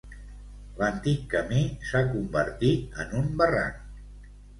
L'antic camí s'ha convertit en un barranc.